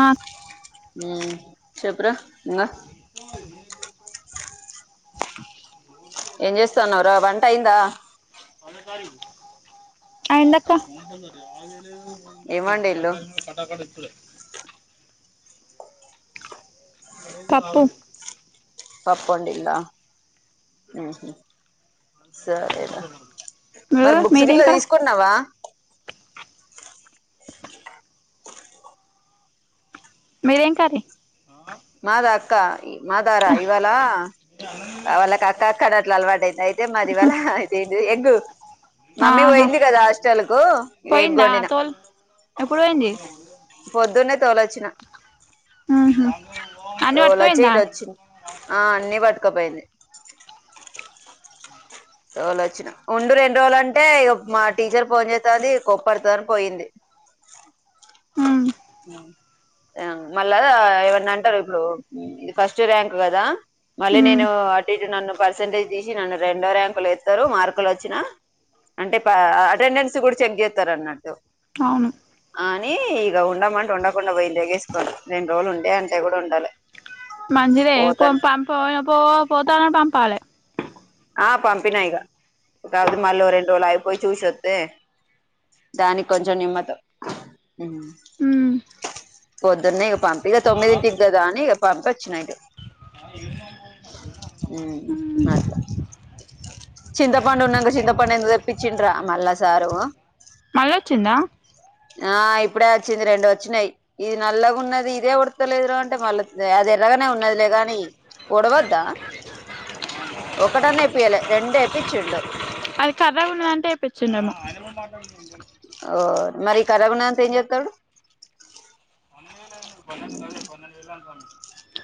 ఆ ఆ చెప్పురా ఇంగా ఏం చేస్తాన్నరా వంట అయిందా అయింది అక్క ఏం వండిల్లు పప్పు పప్పు వండిల్లా ఉహు సరే రా మరి బుక్స్ మీదేం గిట్లా కర తీసుకున్నావా మీది ఏం కర్రీ మాద అక్క ఈ మాదార ఇవాల ఆ వాళ్ళక అక్క అక్క అని అట్ల అలవాటు అయింది అయితే మాది ఇవాళా అయితే ఏంది ఎగ్గు మమ్మీ ఆహా పోయింది కదా హాస్టల్ కు ఇగా ఎగ్ పోయిందా వండిన తోల్ ఎప్పుడు పోయింది పొద్దున్నే తోలొచ్చిన ఉహు అన్ని తోలొచ్చి పట్టుకుపోయిందా ఇటు వచ్చింది ఆ అన్నిీ పట్టుకపోయింది తోలొచ్చిన ఉండు రెండు రోజులంటే ఇగ మా టీచర్ ఫోన్ చేస్తాది కోప్పడుతాది అన్ని పోయింది కు కూ. ఉ ఆ మళ్ళా ఏవన్నా అంటారు ఇప్పుడు ఈ ఫస్ట్ ర్యాంక్ కదా మళ్ళీ ఉమ్ నేను అటు ఇటు నన్ను పర్సెంటేజ్ తీసి నన్ను రెండో ర్యాంక్ కో లేతరు మార్కులు వచ్చినా అంటే పా ఆ అటెండెన్స్ కూడా చెక్ చేస్తారు అన్నట్టు అవును అన్ని ఇగ ఉండమంటే ఉండకుండా పోయింది తేగేసుకోని రెండు రోజులు ఉండే అంటే కూడా ఉండాలే మంచిదే పోంప్ పామ్ పో పో పోతానే పంపాలే ఆ పంపినా ఇగ కాకపోతే మళ్ళీ ఓ రెండు రోజులు ఆగి పోయి చూసి వస్తే దానికి కొంచం నిమ్మతు ఉమ్ పొద్దున్నే ఇగ పంపి ఇగ తొమ్మిదింటికి కదా అని ఇగ పంపి వచ్చిన ఇటు ఆ. ఉ అట్లా చింతపండు ఉన్నాక చింతపండు ఎందుకు తెప్పించిండు రా మళ్ళా సారు మళ్ళా వచ్చిండా ఆ ఇప్పుడే వచ్చింది రెండు వచ్చినాయ్ ఇది నల్లగా ఉన్నది ఇదే ఓడుత లేదు రా అంటే మళ్ళా దే అది ఎర్రగానే ఉన్నదిలే గాని ఓడవద్దా ఒకటోది వేపియిలే రెండు వేపించిండు అది కర్రెగా ఉన్నది అంటే వేపిచిండేమో ఓ మరి కర్రగా ఉన్నది అంతా ఏం చేస్తాడు హ్మ్. పన్నెండు వేలు దాకా ఉంది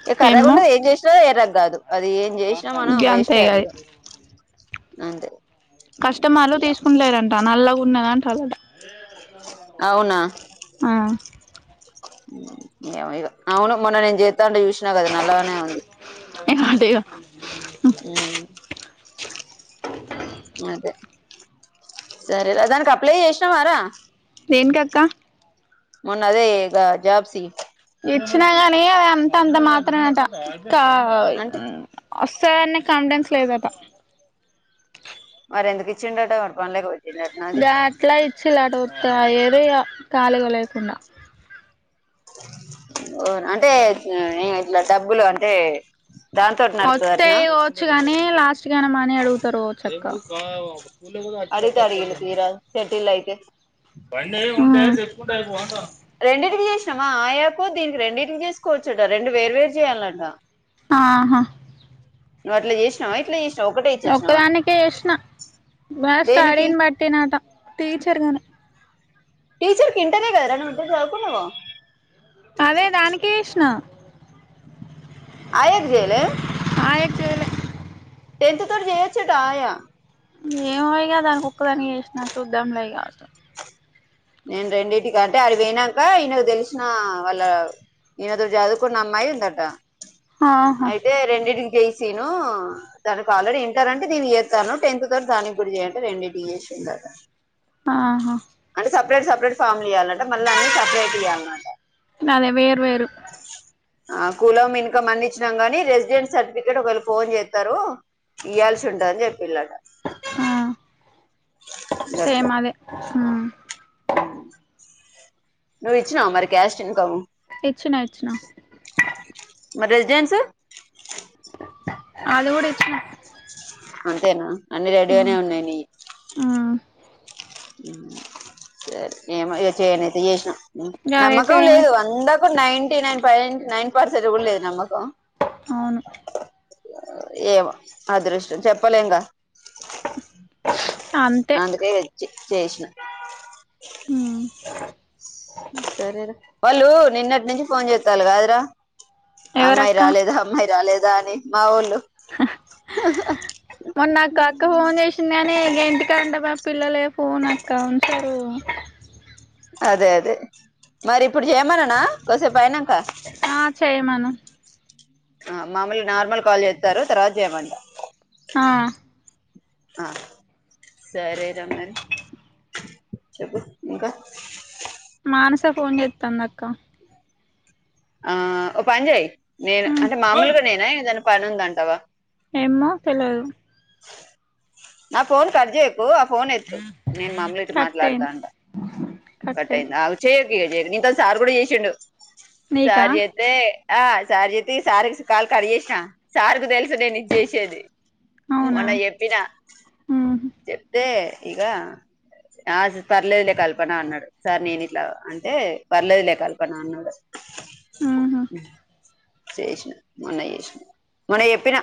ఇగ కర్రగా ఉన్న ఏం చేసిన ఎర్రగా కాదు అది ఏం చేసిన మనం వేస్ట్ అది ఇగ అంతే కష్టమర్లు ఏమో తీసుకుంటా లేరు అట్టా నల్లగా ఉన్నది అంటారు అట్టా. అవునా. ఆ. హ్మ్ ఏమో ఇగ అవును మొన్న నేను జేస్తా ఉంటే చూసి. న కదా నల్లగానేఉంది. ఏమో అట ఇగ అదే సరే లే దానికి అప్లై చేసిన వారా. దేనికి అక్క. మొన్న అదే గా జాబ్ సి. ఇచ్చినా గానీ అది అంత అంత మాత్రమే అట్టా కా. అంటే వస్తాది అన్నా కాన్ఫిడెన్స్ లేదటా. మరి ఎందుకు ఇచ్చిండు అట్టా పన్ని లేక పె. గట్లా ఇచ్చిలు అట్టా ఉత్తగా ఏదో ఇగ ఖాళీగా లేకుండా. వున్ అంటే ఇట్లా డబ్బులు అంటే. దాంతోటి వస్తే నడుతదటనా వచ్చు గానీ లాస్ట్ గాని మని అడుగుతారు కావచ్చు అక్క. పులు కూడా. అడిగితే అడిగిలు తీరా [unintelligible] సెటిల్ అయితే. ఆ. రెండింటికి చేసిన మా ఆయా కూ దీనికి రెండింటికి చేసుకోవచ్చు అట్టా రెండు వేర్వేరు చేయాలి అట్టా. ఆహా. నువ్వు అట్లా చేసినావా ఇట్లా చేసి. ఒక్కదానికే చేసిన నా దేనికి స్టడీని బట్టినట్టా టీచర్ గానే. టీచర్ కి ఇంటరే కదా రా నువ్వు ఇంటర్ చదువుకున్నావు గా. అదే దానికే చేసిన. ఆయద్ జయలే ఆయ్యట్టు టెన్త్ తోర్ జయిచ్చటా ఆయా, ఏమైగా దానికి ఒక్కదా చేసినా చూద్దం లే కావచ్చు. నేను రెండింటికింటే అది వయినాక ఈయనకు తెలిసిన వాళ్ళ, ఈయనతో చదువుకున్న అమ్మాయి ఉందట ఆహా అయితే రెండింటికి చేసి నను. దానికి ఆల్రెడీ ఇంటర్ అంటే దీను చేస్తాను టెన్త్ తోర్ దానికి కూడా చేయంటారు రెండి డిఏస్ందాఅటా, ఆహా అంటే సపరే సపరేట్ ఫ్యామ్ ఇవాలంట మళ్ళ అన్ని సపరేట్ ఇ్వాల అమాట, నాదే వేర్ వేరు, ఆ కులం ఇంకా మంది ఇచ్చినాం గాని రెసిడెంట్ సర్టిఫికెట్ ఒకవేళ ఫోన్ చేస్తారు ఇయ్యల్సి ఉంటుందని చెప్పిలాట. ఆ గట్లా సేమ్ అదే, నువ్వు ఇచ్చిన మరి క్యాష్ట్ ఇన్కమ్. ఇచ్చిన ఇచ్చిన మరి రెసిడెన్స్, అది కూడా ఇచ్చనా, అంతేనా అన్ని రెడీగానే ఉమ్ ఉన్నాయయి నియ్యి. ఉమ్ సరే నేమ ఇ చేయనైతే చేసినా, గదే నమ్మకం లేదు చేయమైతే అందకు నైంటీ నైన్ ఫైవ నైన్, పడుస [unintelligible] లేదా నమ్మకం అవును ఏవ అదృష్టం చెప్పలేంగా, అంతే అందుకే ఎచ్చి చేశ్న ఉమ్ సరేరా వాళ్ళు నిన్నటి నుంచి ఫోన్ చేత్తాల్ కాదురా అమ్మాయ్ ఎవరక్క రాలేదా అమ్మాయ్ రాలేదా అని మా వోళ్ళు హహ్ మొన్నాకక్క ఓన్ చేసింది అని ఇగ్ ఏంటి ఇక్కాంటబె పిల్లలే ఫోన్ అక్క ఉంచరూ అదే అదే మరిప్పుడ్ చేయమననా కొసేపైనంక ఆ చేయమను ఆ మామూలు నార్మల్ కాల్ చేత్తారు తర్వాత్ జేయమంట ఆ అ సరేరా మరి చెప్పు ఇంకా మానస ఫోన్ చెత్తందక్క ఆ ఓ పన్ జేయ్ నేను ఉమ్ అంటే మామూలుగా నేనా ఏదనా పన్ ఉందంటావా ఏమ్మో తెల్వదు నా ఫోన్ కట్ జేయకు ఆ ఫోన్ ఎత్తు నేను మములు ఇటు మాట్లాడుతా అంట బ కట్టయింద్ ఆగు చేయకకిగ చేయక్ నితో సార్ కూడా చేసిండు నీకా సార్ జే దే ఆ సార్ జేత్తే ఇగ సారేస్ కాల్ కట్ జేష్నా సార్కు తెలుసు నేనిద్ జేసేది అవునా మొన్న చెప్ ప్పిన ఉహు చెప్తే ఇగా ఆజ్ పర్లేదలే కల్ప్ కల్పన అన్నాడు సార్ నేన్ ఇట్లా అంటే పర్లేదు లే కల్పన అన్నాడు ఉహు ఉహ్ చేశి మొన్న చేసినా మొన్న చెప్పిన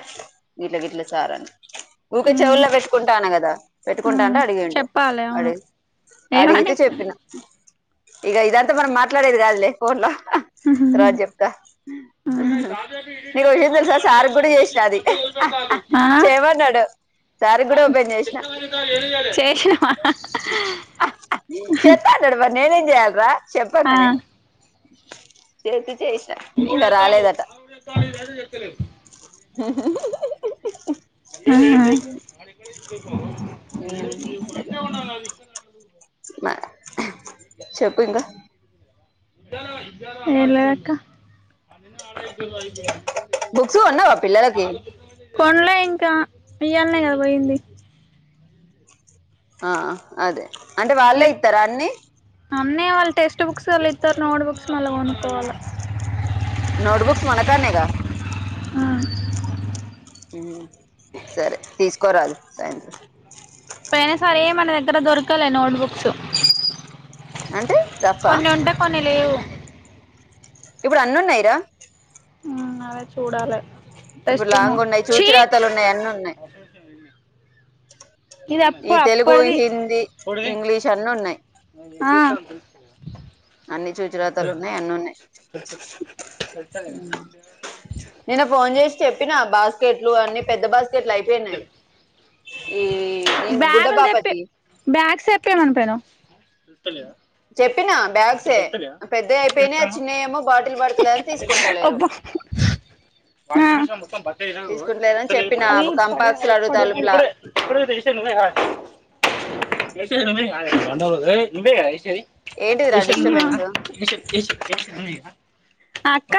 గిట్ల గిట్ల సారని ఊకే ఉమ్ చెవుల్లో పెట్టుకుంటాన గదా ఉమ్ పెట్టుకుంటాంటే అడిగిండు చెప్పాలి అవును అడి అడిగితే ఏమని చెప్ ఇగ ఇదంతా మనం మాట్లాడేది గాదులే ఫోన్ లో తర్వాత్ జెప్త అహ్ నీకో విషయం తెలుసా సార్ గ్గూడా చేష్నా అది ఆ చెేమన్నడు సార్ గ్గూడా ఓపెన్ చేసిన చేసినవా అహ్హ్హ్ చేత్ త్త అన్నడు మర్ నేనేం జేయలరా ఆ శెప్పంగనే చేతి చేష్ణ ఇంగ రాలేదట దు చెక్కలే ఉమ్ గదే మ హ్ చెప్పు ఇంకా ఏం లేదక్కా అ బుక్స్ కొన్నావా పిల్లలకి ఆడపో కొన్లే ఇంకా ఇయ్యాలనే గద వోయింది ఆహ్ అదే అంటే వాళ్ళే ఇత్తరా అన్ని అన్నే వాల్ టెస్ట్ బుక్స్ అళ్ళిత్తర్ నోడ్ బుక్స్ మల్ల కొనుక్కోవాళ్ళ నోట్బుక్స్ మనకాన్నేగా అ ఉ సరే తీసుకోరాదు సాయంత్రం పొయినా సరే మన దగ్గర దొరకలే నోట్ బుక్స్ అంటే రఫ్ఫా పని లేవు ఇప్పుడు అన్నీ ఉన్నాయిరా అదే చూడాలే ఇప్పుడు టెస్ట్ ను లాంగ్ ఉన్నాయి చి చూచిరాతలు ఉన్నాయి అన్ని ఉన్నాయి ఈ తెలుగు అప్పటిది హిందీ ఇంగ్లీష్ అన్నీ ఉన్నాయి ఆ ాా అన్ని చూచిరాతలు ఉన్నాయి అన్ని ఉన్నాయి నేను ఫోన్ చేసి చెప్పినా బాస్కెట్లు అన్ని పెద్ద బాస్కెట్లు అయిపోయినాయి ఇ బ్యాగులు తెప్పే బ్యాగ్స్ తెప్పియమన పెనవ్ చెప్పినా బ్యాగ్స్ చెతారయా ఎత్తా బాటిల్ పడతలేదని తీసుకుంటలేరు అబ్బా తీసుకుంటలేదని చెప్పిన అది ఇప్పుడిది కంపాక్స్ కాదు లు అడుగు ఎప్పడిదో తలుపులా ఇప్పుడుస ను్వేశ ఏంటిదిరా డిస్టర్బెన్స్ అక్క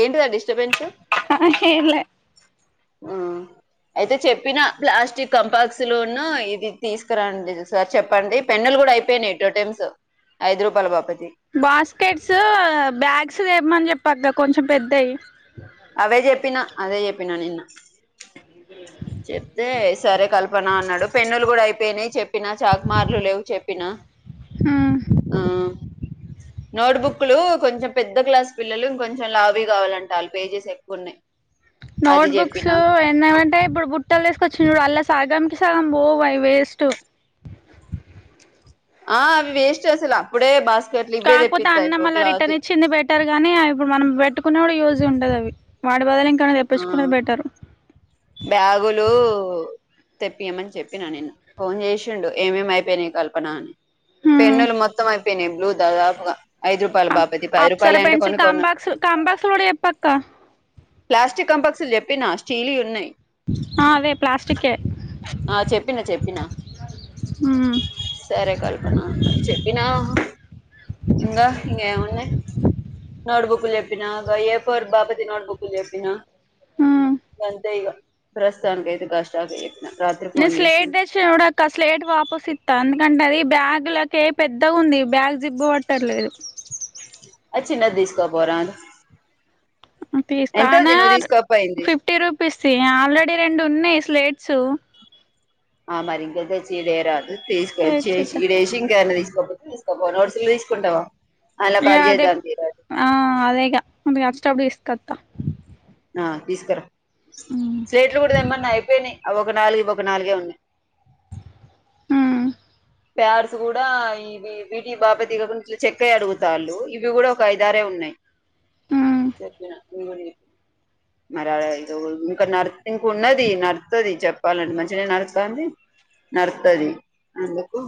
ఏంటిదా డిస్టర్బెన్సు ఆ ఏంలే ఆ అయితే చెప్పిన ప్లాస్టిక్ కంపాక్స్ లున్ను ఇది తీసుకురాండి సార్ చెప్పండి పెన్నులు కూడా అయిపోయినాయి టూ టైమ్స్ ఐదు రూపాయల బాపతి బాస్కెట్స్ బ్యాగ్స్ తేమ్మాని చెప్పక్క కొంచెం పెద్దయి అవే చెప్పినా అదే చెప్పినా నిన్న చెప్తే సరే కల్పన అన్నాడు పెన్నులు కూడా అయిపోయినాయి చెప్పినా చాక్మార్లు లేవు చెప్పినా మ్మ్ ఆ నోట్బుక్లు కొంచెం పెద్ద క్లాస్ పిల్లలు ఇంకొంచం లావుయి కావాలంట అల్ పేజెస్ ఎక్కువ ఉన్నాయి అది నోట్ బుక్స్ చెప్పినా ఎన్నాంటే ఇప్పుడు బుట్టలు తీసుకొచ్చి చూడు అలా సాగాంనికి బోవు అవి వేస్ట్టు ఆ అవి వేస్ట్ అసలు అప్పుడే బాస్కెట్లు ఇవ్వే తెప్పిత్తే అయిపోవ్ క్లాత్ యి పెట్టారు కానీ ఇప్పుడు మనం పెట్టుకునే కూడా యూజీ ఉంటది అవి వాడి బదలు ఇంకా ఏమన్నా ఆ తెప్పించుకున్నది బెటర్ బ్యాగులు తెప్పియమని చెప్పిన నిన్న. ఫోన్ చేసిండు ఏమేమి అయిపోయినయి కల్పన అని హ్మ్ పెన్నులు మొత్తం అయిపోయినాయి బ్లూ దాదాపుగా ఐదు రూపా రూపాల బాపది పది అప్సర రూపాయలు అంటే కొన్ని పెన్సిల్ కొన్నీ కాంబాక్స్ కాంబాక్స్ కూడా చెప్పక్క ప్లాస్టిక్ కంపక్స్లు చెప్పిన స్టీల్ ఉన్నాయి ఆ అవే ప్లాస్టిక్ ఏ ఆ చెప్పిన చెప్పిన హ్మ్ సరే కల్పన అన్నది చెప్పినా ఇంకా ఇంకా ఏమున్నాయి నోట్బుక్లు చెప్పినా ఏపర్ బాపతి నోట్బుక్లు చెప్పినా హ్మ్ గంతే ఇగ ప్రస్తుతాని కైతే గా స్టాకే చెప్పిన రాత్రి న ఫోన్ స్లేట్ చేసిండు దేచ్ ఇచ్చిన కూడా అక్క స్లేటు వాపస్ ఇస్తా ఎందుకంటే అది బ్యాగ్లకే పెద్దగా ఉంది బ్యాగ్ జిబ్బ పట్టర్లేదు అది చిన్నది తీసుకపోరాదు తీసు కానా నువ్వు తీసుకోపోయింది ఫిఫ్టీ రూపీస్ ది ఆల్రెడీ రెండు ఉన్నాయి స్లేట్స్ ఆ మరి ఇంక తెచ్చీ ఇడే రాదు తీసుకొచ్చి తెచ్చిద్దా ఇడ వేసి ఇంక ఏమన్నా తీసుకపోతే త నోట్స్లు తీసుకుంటావా అలా ఇగ కట్ రేప్ చేద్దాం తీరాదు ఆ అదేగా ముందుగా అచ్చేటప్పుడు తీసుకత ఆ తీసుకురా ప్లేల్ట్ కూడా తేమ్మన్నా అయిపోయినాయి అవి ఒక నాలుగు ఇవ ఒక నాలుగే ఉన్నాయి మ్మ్ పాడ్స్ గూడా ఈ వీటి బాబా దగ గురించి ఇట్లా చెక్క అడుగుతాళ్ళు ఇవి గూడా ఒక ఐదారే ఉన్నయి మ్మ్ చెప్పిన ఇవి గూడా మరి ఇదో ఇంకా నడు ఇంక ఉన్నది నడుతుది చెప్పాలంటే మంచిగానే నడుస్తంది నడుస్తాది అందుకు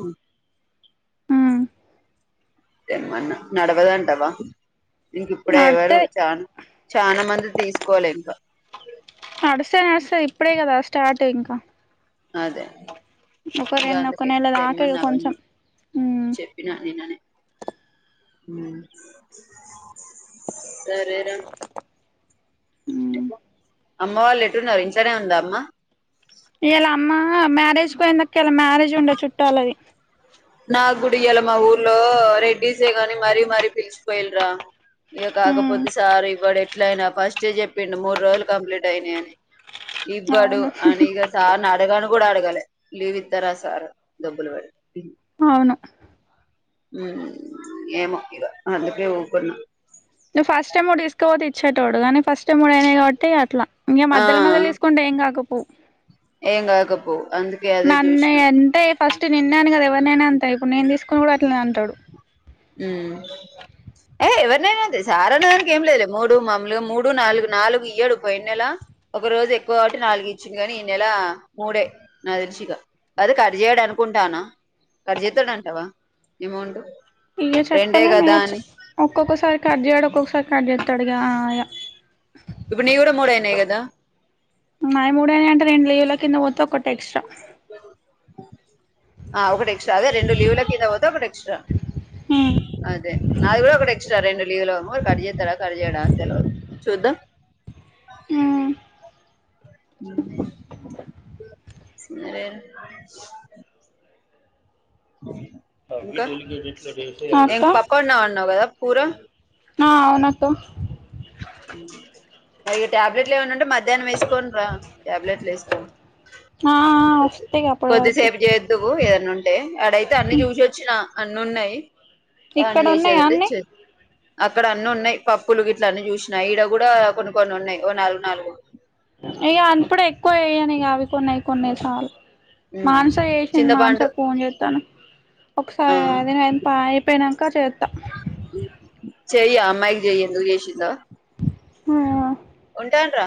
మ్మ్ తెమ్మనా నడవదంటావా ఇంక ఇప్పుడే ఎవరు నడుత్తది చా చనా మంది తీసుకోలే ఇంకా నడుస్తానే వస్తది ఇప్పుడే గదా స్టార్ట్ ఇంకా అదే ఒక ఇగ రెండు ఒక అందుకే నెల దాక ఇగా కొంచెం చెప్పిన నిన్ననే సరే రా ఉ అమ్మ వాళ్ళు ఎటు ఉన్నారు ఇంట్లోనే ఉందా అమ్మ ఇలా అమ్మ మ్యారేజ్ పోయిన దాక్క ఇలా మ్యారేజ్ ఉండే చుట్టూలది ఆ నాకు గూడా ఇయ్యాల మా ఊర్లో రెడ్డీసే గాని మరీ మరీ పిలిచిపోయిలరా ఇగా మ్మ్ కాకపోతే సార్ ఇవ్వడే ఎట్లయినా ఫస్ట్ ఎ చెప్పిండు మూడు రోజులు కంప్లీట్ అయినయి అని ఇవ్వడు అవును అని ఇగా సార్ని అడగను గూడా అడగలే లీవ్ ఇస్తారా సార్ డబ్బులు పెడి అవును మ్ ఏమో ఇగా అందుకే ఊకున్నా నువ్వు ఫస్ట్ టైమ్ కూడా తీసుకపోతే ఇచ్చేటోడు గాని ఫస్ట్ టైమ్ గూడా అనాయి కాబట్టి అట్లా ఇంకా ఆ మద్యలో మద్యలో తీసుకో కొంటే ఎం కాక పో ఎం కాకపో అందు నన్నే అంతే ఫస్ట్ నిన్నన్నా అనే కదా ఎవరినైనా అంతే ఇప్పుడు నేను తీసుకున్నా కూడా అట్లానే అంటాడు ఉమ్ ఏ ఎవరినైనా అంతే సారానేక ఏం లేదు మూడు మామలుగా మూడు నాలుగు నాలుగు ఇయ్యడు పోన్నెలా ఒక రోజు ఎక్కువ గాబట్టి నాలుగు ఇచ్చింది గాని ఈ నెల మూడే నాక్ తెలిసి ఇగా అది కట్ చేయడు అనుకుంటానా కట్ చేస్తాడ అంటావా ఎమౌంట్ ఇగా రెండే చెప్పాలేం కదా ఇయ్యిచ్ అని మీ ఒక్కొక్కసారి కట్ చేయడు ఒక్కొక్కసారి కట్ చేస్తాడుగా ఇప్పుడు నీయి కూడా మూడు అయినయి గదా నా మూడైనా అంటే రెండు లీవ్ లో కింద పోతే ఒకటి ఎక్స్ట్రా ఆ ఒకటి ఎక్స్ట్రా అదే రెండు లీవుల కింద పోతే ఒకటి ఎక్స్ట్రా ఉమ్ అదే నా అది గూడా ఒకటి ఎక్స్ట్రా రెండు లివ్ లో కట్ చేస్తడా కట్ చేయడా అని తెలివదు చూద్దాం ఉ ఉ సరే రా ఇంకా ఇం అక్క పప్పు వొండి అన్నావు కదా కూర ఆ అవున అక్కా మరి టాబ్లెట్లు ఏమైనా ఉంటే మధ్యాహ్నం ఎ సుకోని రా టాబ్లెట్లు ఎసుకోని ఆ వస్తాయి అప్పటి కొద్ది వరకి సేపు జెత్ ఎందు ఏదన్న ఉంటే అడైతే అన్ని చూసి వోచ్చిన అన్ని ఉన్నాయి ఏ వన్నా ఇక్కడ ఉన్నాయా చేసేది ఉంటే అన్ని చే అక్కడ అన్ని ఉన్నాయి పప్పులు గిట్ల అన్ని చూసినా ఇడా గూడా కొన్ని కొన్ని ఉన్నాయి ఓ నాలుగు నాలుగు ఇక అనుప్పుడ ఎక్కువ వేయను ఇక అవి కొన్నయి కొన్ని సార్లు మాంస వేసింది మాంసా చింతపండు కూని చేస్తాను ఆ ఒకసారి పా అయిపోనాంక చేత్త చెయి అ అమ్మాయికి చెయను చేేసిందా హా ఉంటాం ర